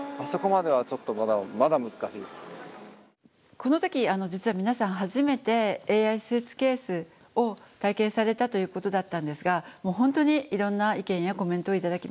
この時実は皆さん初めてＡＩスーツケースを体験されたということだったんですが本当にいろんな意見やコメントを頂きました。